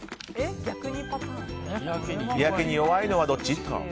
日焼けに弱いのはどっち？